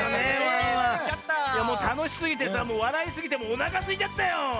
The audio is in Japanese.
いやもうたのしすぎてさわらいすぎておなかすいちゃったよサボさん。